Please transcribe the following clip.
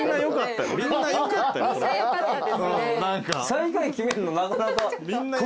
最下位決めるのなかなか酷なこと。